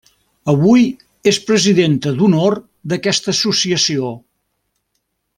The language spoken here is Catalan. Avui és presidenta d’honor d’aquesta associació.